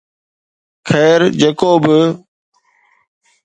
خير جيڪو به